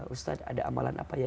ustadz ada amalan apa ya